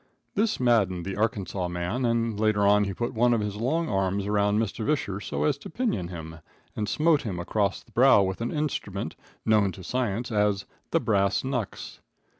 This maddened the Arkansas man, and later on he put one of his long arms around Mr. Visscher so as to pinion him, and then smote him across the brow with an instrument, known to science as "the brass knucks."